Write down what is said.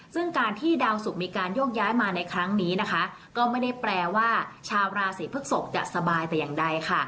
ซึ่งการที่ดาวสุกมีการโยกย้ายมาในครั้งนี้นะคะก็ไม่ได้แปลว่าชาวราศีพฤกษกจะสบายแต่อย่างใดค่ะ